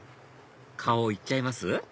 顔行っちゃいます？